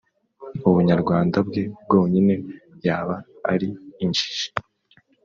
ubunyarwanda bwe bwonyine, yaba ari injiji;